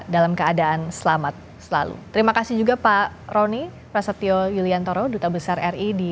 dalam keadaan selamat selalu terima kasih juga pak roni prasetyo yuliantoro duta besar ri di